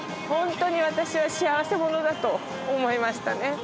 本当に私は幸せ者だと思いましたね。